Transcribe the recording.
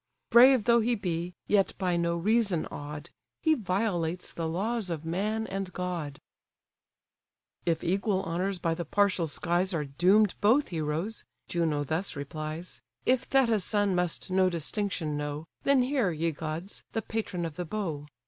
Brave though he be, yet by no reason awed, He violates the laws of man and god." THE JUDGMENT OF PARIS "If equal honours by the partial skies Are doom'd both heroes, (Juno thus replies,) If Thetis' son must no distinction know, Then hear, ye gods! the patron of the bow.